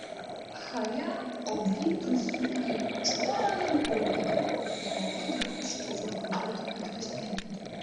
Харя обвів присутніх стомленим поглядом — було видно, що його дратують осі люди.